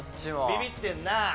ビビってんなぁ！